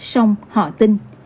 xong họ tin